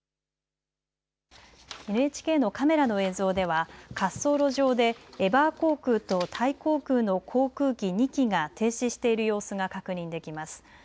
ＮＨＫのカメラの映像では滑走路上でエバー航空とタイ航空の航空機２機が停止している様子が確認できます。